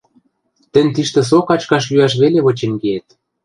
Тӹнь тиштӹ со качкаш-йӱӓш веле вычен киэт...